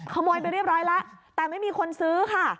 ขโมยไปเรียบร้อยแล้วแต่ไม่มีคนซื้อค่ะ